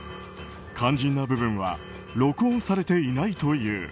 肝心な部分は録音されていないという。